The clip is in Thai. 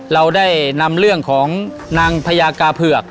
เราได้นำเรื่องของนางพญากาเผือก